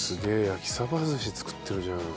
焼き鯖寿司作ってるじゃん。